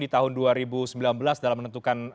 di tahun dua ribu sembilan belas dalam menentukan